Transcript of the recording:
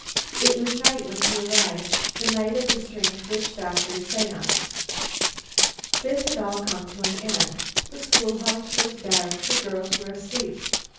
It was night when he arrived, the night of the strange witch doctor's seance. This had all come to an end. The schoolhouse was dark the girls were asleep.